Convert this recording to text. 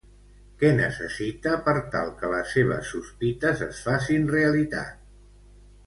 Què necessita per tal que les seves sospites es facin realitat?